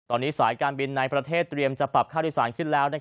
ตอนนี้สายการบินในประเทศเตรียมจะปรับค่าโดยสารขึ้นแล้ว